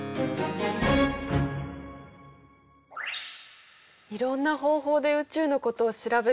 いろんな方法で宇宙のことを調べているのね。